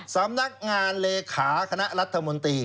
สำนักงานเลขาคณะรัฐมนตรี